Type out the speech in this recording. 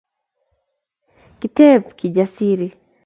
Kiteb Kijasiri